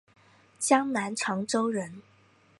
江南长洲人。